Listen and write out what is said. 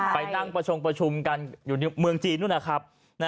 ไปนั่งประชงประชุมกันอยู่ในเมืองจีนนู่นนะครับ